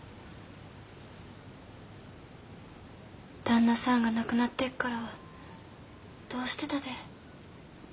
旦那さんが亡くなってっからはどうしてたでえ？